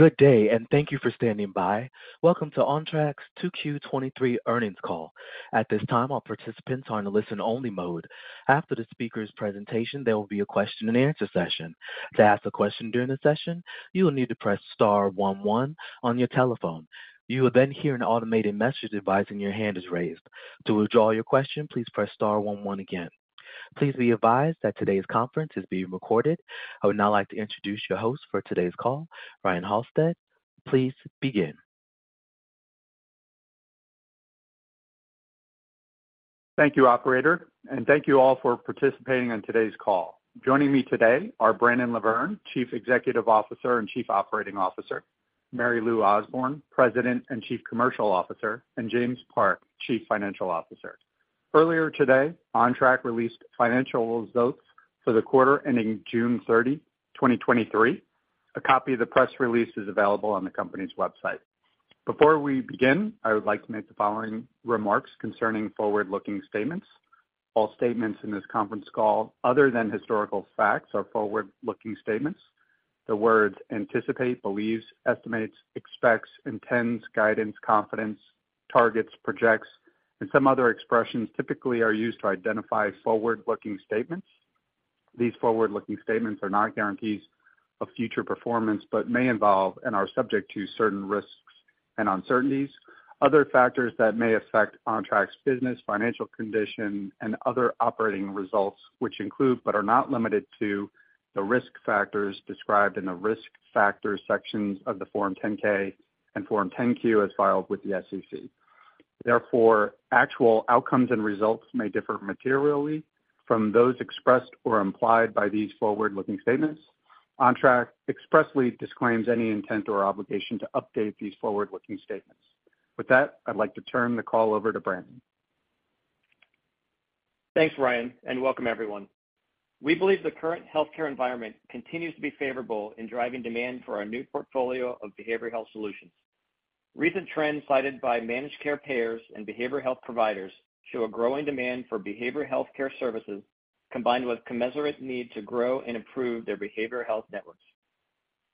Good day, and thank you for standing by. Welcome to Ontrak's 2Q 2023 earnings call. At this time, all participants are in a listen-only mode. After the speaker's presentation, there will be a question and answer session. To ask a question during the session, you will need to press star one one on your telephone. You will then hear an automated message advising your hand is raised. To withdraw your question, please press star one one again. Please be advised that today's conference is being recorded. I would now like to introduce your host for today's call, Ryan Halsted. Please begin. Thank you, operator, and thank you all for participating on today's call. Joining me today are Brandon LaVerne, Chief Executive Officer and Chief Operating Officer, Mary Lou Osborne, President and Chief Commercial Officer, and James Park, Chief Financial Officer. Earlier today, Ontrak released financial results for the quarter ending June 30, 2023. A copy of the press release is available on the company's website. Before we begin, I would like to make the following remarks concerning forward-looking statements. All statements in this conference call, other than historical facts, are forward-looking statements. The words anticipate, believes, estimates, expects, intends, guidance, confidence, targets, projects, and some other expressions typically are used to identify forward-looking statements. These forward-looking statements are not guarantees of future performance, but may involve and are subject to certain risks and uncertainties. Other factors that may affect Ontrak's business, financial condition, and other operating results, which include, but are not limited to, the Risk Factor sections of the Form 10-K and Form 10-Q as filed with the SEC. Therefore, actual outcomes and results may differ materially from those expressed or implied by these forward-looking statements. Ontrak expressly disclaims any intent or obligation to update these forward-looking statements. With that, I'd like to turn the call over to Brandon. Thanks, Ryan. Welcome everyone. We believe the current healthcare environment continues to be favorable in driving demand for our new portfolio of behavioral health solutions. Recent trends cited by managed care payers and behavioral health providers show a growing demand for behavioral health care services, combined with commensurate need to grow and improve their behavioral health networks.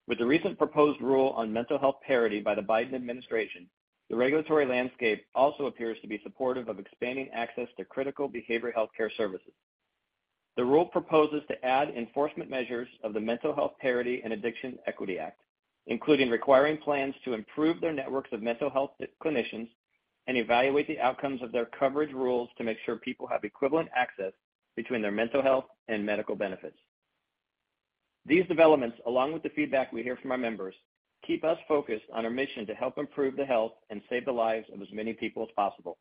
With the recent proposed rule on mental health parity by the Biden administration, the regulatory landscape also appears to be supportive of expanding access to critical behavioral health care services. The rule proposes to add enforcement measures of the Mental Health Parity and Addiction Equity Act, including requiring plans to improve their networks of mental health clinicians and evaluate the outcomes of their coverage rules to make sure people have equivalent access between their mental health and medical benefits. These developments, along with the feedback we hear from our members, keep us focused on our mission to help improve the health and save the lives of as many people as possible.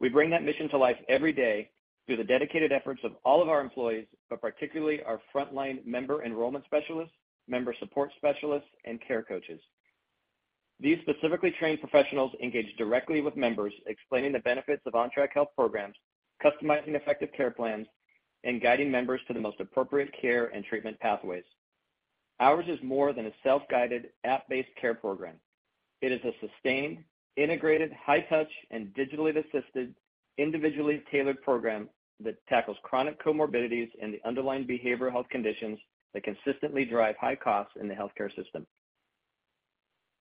We bring that mission to life every day through the dedicated efforts of all of our employees, but particularly our frontline member enrollment specialists, member support specialists, and care coaches. These specifically trained professionals engage directly with members, explaining the benefits of Ontrak health programs, customizing effective care plans, and guiding members to the most appropriate care and treatment pathways. Ours is more than a self-guided, app-based care program. It is a sustained, integrated, high-touch and digitally assisted, individually tailored program that tackles chronic comorbidities and the underlying behavioral health conditions that consistently drive high costs in the healthcare system.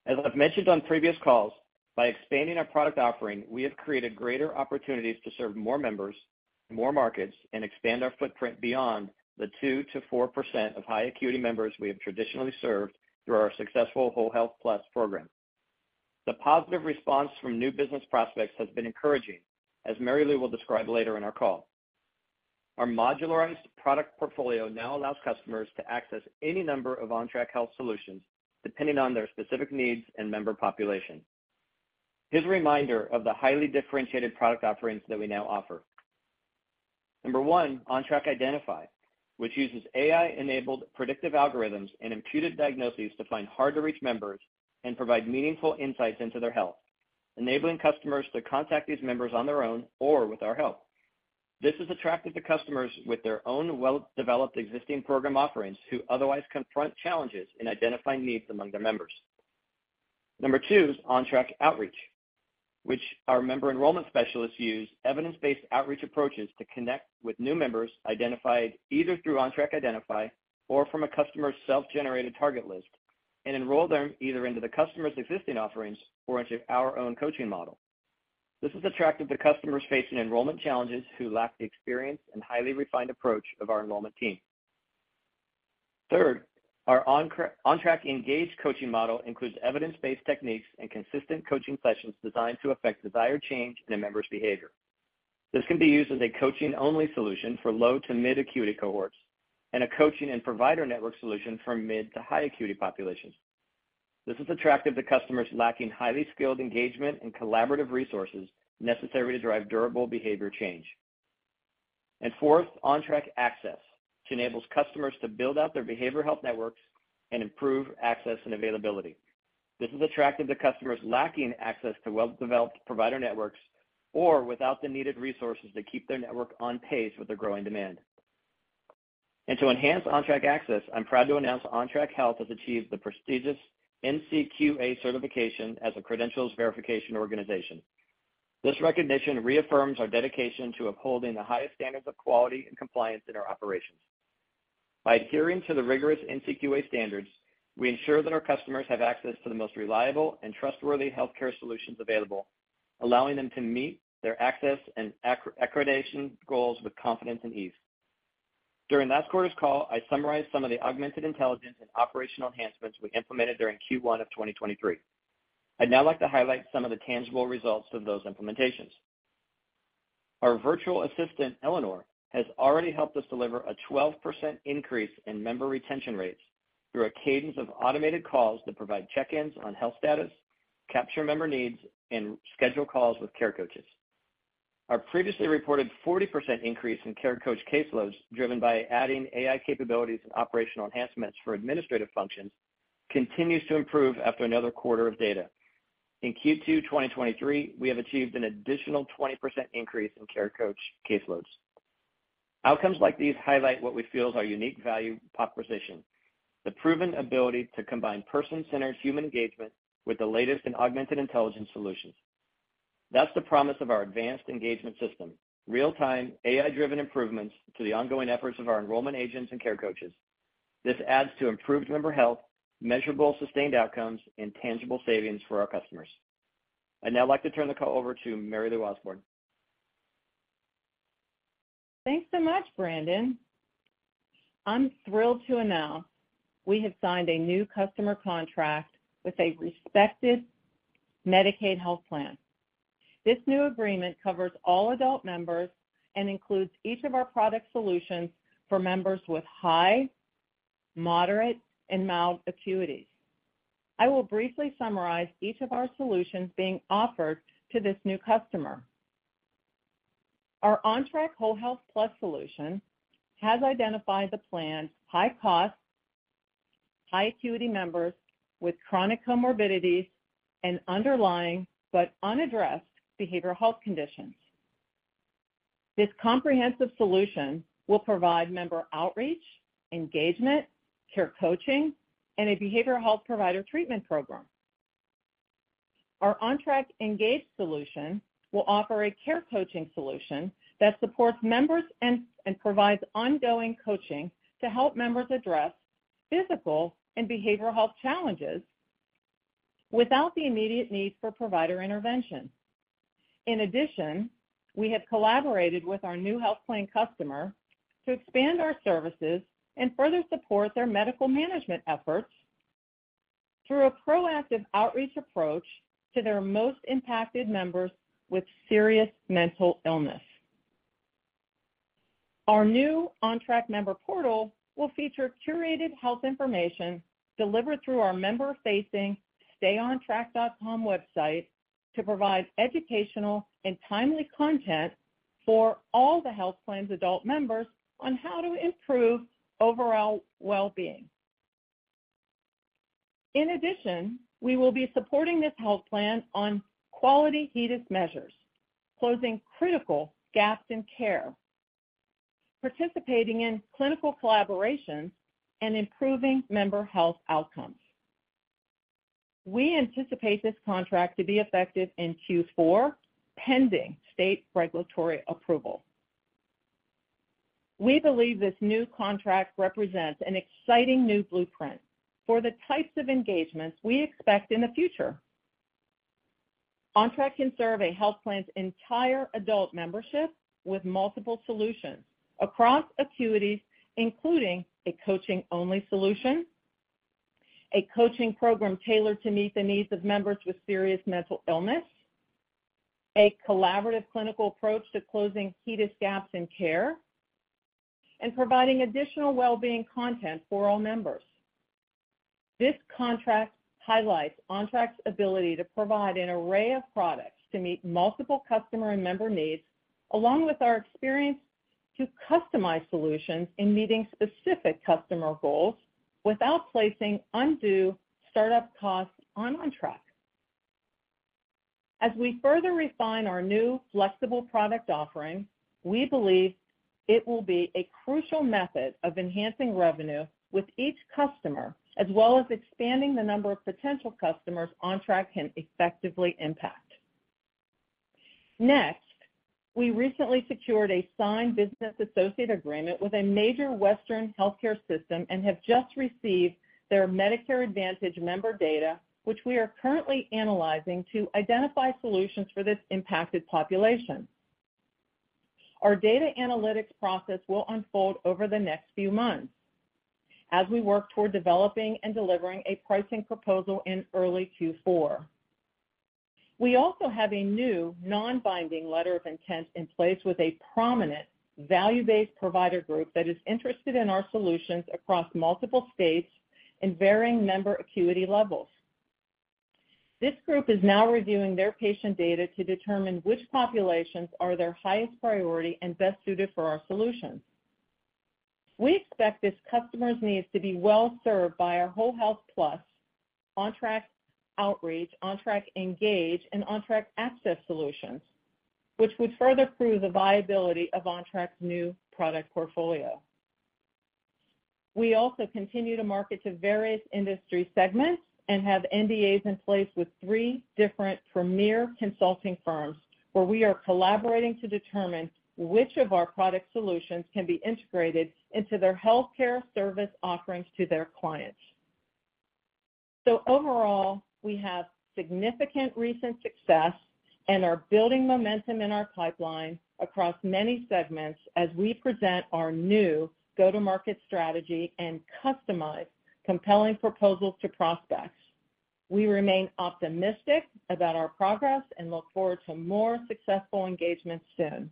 As I've mentioned on previous calls, by expanding our product offering, we have created greater opportunities to serve more members, more markets, and expand our footprint beyond the 2%-4% of high acuity members we have traditionally served through our successful WholeHealth+ program. The positive response from new business prospects has been encouraging, as Mary Lou will describe later in our call. Our modularized product portfolio now allows customers to access any number of Ontrak Health solutions depending on their specific needs and member population. Here's a reminder of the highly differentiated product offerings that we now offer. Number one, Ontrak Identify, which uses AI-enabled predictive algorithms and imputed diagnoses to find hard-to-reach members and provide meaningful insights into their health, enabling customers to contact these members on their own or with our help. This has attracted the customers with their own well-developed existing program offerings, who otherwise confront challenges in identifying needs among their members. Number two is Ontrak Outreach, which our member enrollment specialists use evidence-based outreach approaches to connect with new members identified either through Ontrak Identify or from a customer's self-generated target list, and enroll them either into the customer's existing offerings or into our own coaching model. Third, our Ontrak Engage coaching model includes evidence-based techniques and consistent coaching sessions designed to affect desired change in a member's behavior. This can be used as a coaching-only solution for low to mid acuity cohorts and a coaching and provider network solution for mid to high acuity populations. This is attractive to customers lacking highly skilled engagement and collaborative resources necessary to drive durable behavior change. Fourth, Ontrak Access, which enables customers to build out their behavioral health networks and improve access and availability. This is attractive to customers lacking access to well-developed provider networks or without the needed resources to keep their network on pace with their growing demand. To enhance Ontrak Access, I'm proud to announce Ontrak Health has achieved the prestigious NCQA certification as a Credentials Verification Organization. This recognition reaffirms our dedication to upholding the highest standards of quality and compliance in our operations. By adhering to the rigorous NCQA standards, we ensure that our customers have access to the most reliable and trustworthy healthcare solutions available, allowing them to meet their access and accreditation goals with confidence and ease. During last quarter's call, I summarized some of the augmented intelligence and operational enhancements we implemented during Q1 of 2023. I'd now like to highlight some of the tangible results of those implementations. Our virtual assistant, Eleanor, has already helped us deliver a 12% increase in member retention rates through a cadence of automated calls that provide check-ins on health status, capture member needs, and schedule calls with care coaches. Our previously reported 40% increase in care coach caseloads, driven by adding AI capabilities and operational enhancements for administrative functions, continues to improve after another quarter of data. In Q2, 2023, we have achieved an additional 20% increase in care coach caseloads. Outcomes like these highlight what we feel is our unique value proposition, the proven ability to combine person-centered human engagement with the latest in augmented intelligence solutions. That's the promise of our Advanced Engagement System, real-time, AI-driven improvements to the ongoing efforts of our enrollment agents and care coaches. This adds to improved member health, measurable, sustained outcomes, and tangible savings for our customers. I'd now like to turn the call over to Mary Lou Osborne. Thanks so much, Brandon. I'm thrilled to announce we have signed a new customer contract with a respected Medicaid health plan. Includes each of our product solutions for members with high, moderate, and mild acuities. I will briefly summarize each of our solutions being offered to this new customer. Our Ontrak WholeHealth+ solution has identified the plan's high-cost, high-acuity members with chronic comorbidities and underlying but unaddressed behavioral health conditions. This comprehensive solution will provide member outreach, engagement, care coaching, and a behavioral health provider treatment program. Our Ontrak Engage solution will offer a care coaching solution that supports members and provides ongoing coaching to help members address physical and behavioral health challenges without the immediate need for provider intervention. In addition, we have collaborated with our new health plan customer to expand our services and further support their medical management efforts through a proactive outreach approach to their most impacted members with serious mental illness. Our new Ontrak member portal will feature curated health information delivered through our member-facing StayOnTrack.com website to provide educational and timely content for all the health plan's adult members on how to improve overall wellbeing. In addition, we will be supporting this health plan on quality HEDIS measures, closing critical gaps in care, participating in clinical collaborations, and improving member health outcomes. We anticipate this contract to be effective in Q4, pending state regulatory approval. We believe this new contract represents an exciting new blueprint for the types of engagements we expect in the future. Ontrak can serve a health plan's entire adult membership with multiple solutions across acuities, including a coaching-only solution, a coaching program tailored to meet the needs of members with serious mental illness, a collaborative clinical approach to closing HEDIS gaps in care, and providing additional wellbeing content for all members. This contract highlights Ontrak's ability to provide an array of products to meet multiple customer and member needs, along with our experience to customize solutions in meeting specific customer goals without placing undue startup costs on Ontrak. As we further refine our new flexible product offering, we believe it will be a crucial method of enhancing revenue with each customer, as well as expanding the number of potential customers Ontrak can effectively impact. Next, we recently secured a signed business associate agreement with a major Western healthcare system and have just received their Medicare Advantage member data, which we are currently analyzing to identify solutions for this impacted population. Our data analytics process will unfold over the next few months as we work toward developing and delivering a pricing proposal in early Q4. We also have a new non-binding letter of intent in place with a prominent value-based provider group that is interested in our solutions across multiple states and varying member acuity levels. This group is now reviewing their patient data to determine which populations are their highest priority and best suited for our solutions. We expect this customer's needs to be well served by our WholeHealth+, Ontrak Outreach, Ontrak Engage, and Ontrak Access solutions, which would further prove the viability of Ontrak's new product portfolio. We also continue to market to various industry segments and have NDAs in place with three different premier consulting firms, where we are collaborating to determine which of our product solutions can be integrated into their healthcare service offerings to their clients. Overall, we have significant recent success and are building momentum in our pipeline across many segments as we present our new go-to-market strategy and customize compelling proposals to prospects. We remain optimistic about our progress and look forward to more successful engagements soon.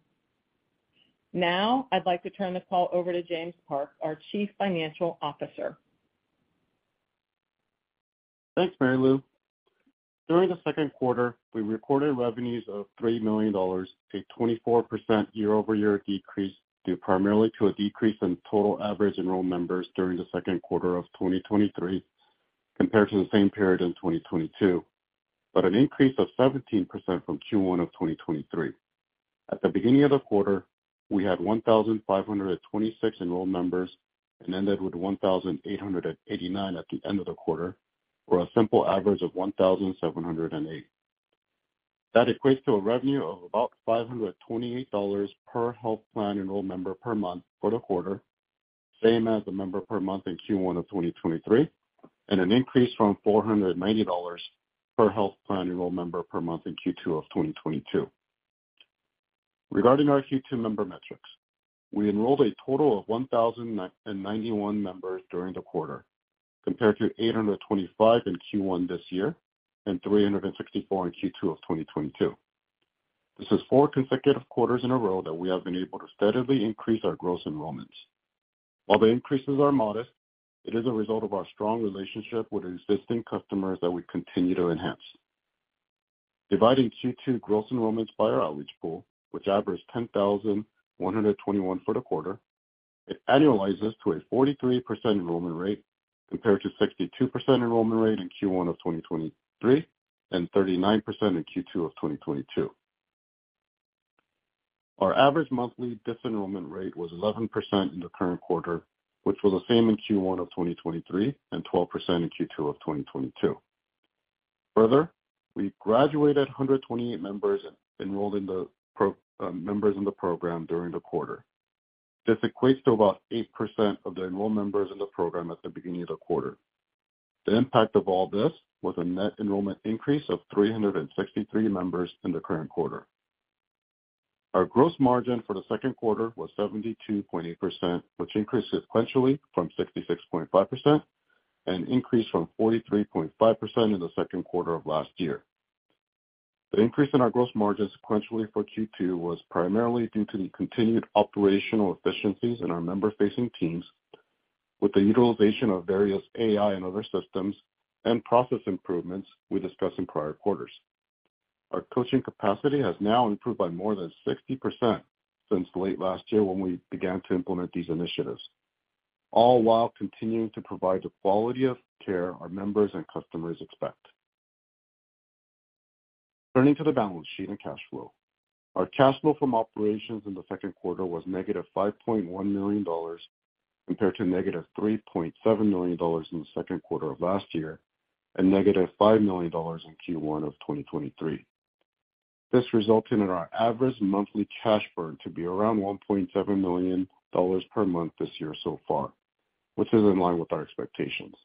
Now, I'd like to turn this call over to James Park, our Chief Financial Officer. Thanks, Mary Lou. During the second quarter, we recorded revenues of $3 million, a 24% year-over-year decrease, due primarily to a decrease in total average enrolled members during the second quarter of 2023, compared to the same period in 2022, but an increase of 17% from Q1 of 2023. At the beginning of the quarter, we had 1,526 enrolled members and ended with 1,889 at the end of the quarter, or a simple average of 1,708. That equates to a revenue of about $528 per health plan enrolled member per month for the quarter, same as the member per month in Q1 of 2023, and an increase from $490 per health plan enrolled member per month in Q2 of 2022. Regarding our Q2 member metrics, we enrolled a total of 1,991 members during the quarter, compared to 825 in Q1 this year and 364 in Q2 of 2022. This is four consecutive quarters in a row that we have been able to steadily increase our gross enrollments. While the increases are modest, it is a result of our strong relationship with existing customers that we continue to enhance. Dividing Q2 gross enrollments by our outreach pool, which averages 10,121 for the quarter, it annualizes to a 43% enrollment rate, compared to 62% enrollment rate in Q1 of 2023 and 39% in Q2 of 2022. Our average monthly disenrollment rate was 11% in the current quarter, which was the same in Q1 of 2023 and 12% in Q2 of 2022. We graduated 128 members and enrolled members in the program during the quarter. This equates to about 8% of the enrolled members in the program at the beginning of the quarter. The impact of all this was a net enrollment increase of 363 members in the current quarter. Our gross margin for the second quarter was 72.8%, which increased sequentially from 66.5% and increased from 43.5% in the second quarter of last year. The increase in our gross margin sequentially for Q2 was primarily due to the continued operational efficiencies in our member-facing teams, with the utilization of various AI and other systems and process improvements we discussed in prior quarters. Our coaching capacity has now improved by more than 60% since late last year when we began to implement these initiatives, all while continuing to provide the quality of care our members and customers expect. Turning to the balance sheet and cash flow. Our cash flow from operations in the second quarter was -$5.1 million, compared to -$3.7 million in the second quarter of last year, and -$5 million in Q1 of 2023. This resulted in our average monthly cash burn to be around $1.7 million per month this year so far, which is in line with our expectations.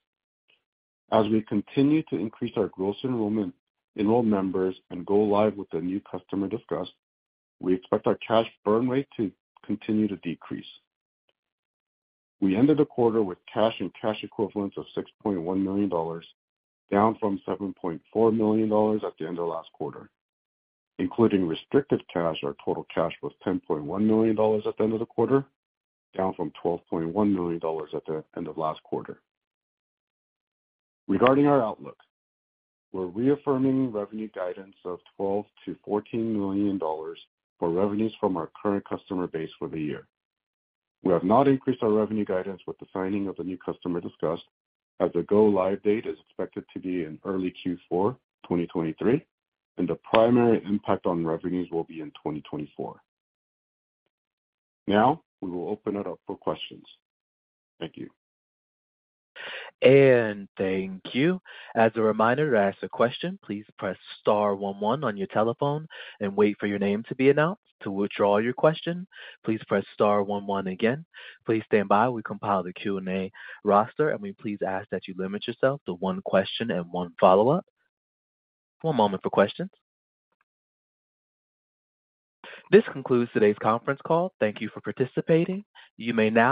As we continue to increase our gross enrollment, enroll members, and go live with the new customer discussed, we expect our cash burn rate to continue to decrease. We ended the quarter with cash and cash equivalents of $6.1 million, down from $7.4 million at the end of last quarter. Including restricted cash, our total cash was $10.1 million at the end of the quarter, down from $12.1 million at the end of last quarter. Regarding our outlook, we're reaffirming revenue guidance of $12 million-$14 million for revenues from our current customer base for the year. We have not increased our revenue guidance with the signing of the new customer discussed, as the go-live date is expected to be in early Q4, 2023, and the primary impact on revenues will be in 2024. We will open it up for questions. Thank you. Thank you. As a reminder, to ask a question, please press star one one on your telephone and wait for your name to be announced. To withdraw your question, please press star one one again. Please stand by. We compile the Q&A roster, and we please ask that you limit yourself to one question and 1 follow-up. 1 moment for questions. This concludes today's conference call. Thank you for participating. You may now.